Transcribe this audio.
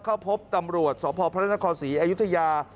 เข้าพบตำรวจสพศศอยุธยา